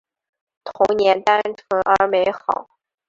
童年单纯而美好